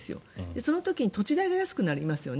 その時に土地代が安くなりますよね。